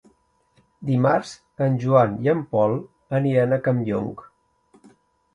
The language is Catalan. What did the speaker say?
Dimarts en Joan i en Pol aniran a Campllong.